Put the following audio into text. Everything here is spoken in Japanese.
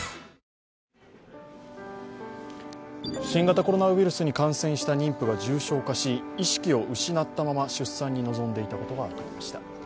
新型コロナウイルスに感染した妊婦が重症化し意識を失ったまま、出産に臨んでいたことが分かりました。